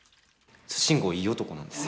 慎吾いい男なんです。